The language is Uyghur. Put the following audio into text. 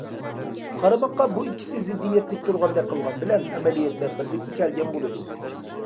قارىماققا بۇ ئىككىسى زىددىيەتلىك تۇرغاندەك قىلغان بىلەن، ئەمەلىيەتتە بىرلىككە كەلگەن بولىدۇ.